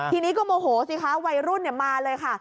ทีนี้ก็โมโหสิคะวัยรุ่นมาเลยค่ะ